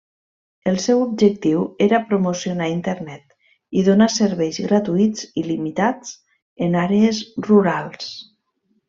El seu objectiu era promocionar Internet i donar serveis gratuïts il·limitats en àrees rurals.